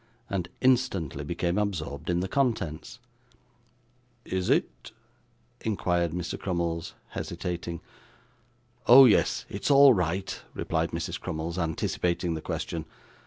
and instantly became absorbed in the contents. 'Is it ?' inquired Mr. Crummles, hesitating. 'Oh, yes, it's all right,' replied Mrs. Crummles, anticipating the question.